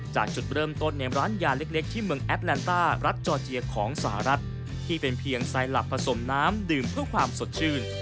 จากจุดเริ่มต้นในร้านยาเล็กที่เมืองแอดแลนต้ารัฐจอร์เจียของสหรัฐที่เป็นเพียงไซลับผสมน้ำดื่มเพื่อความสดชื่น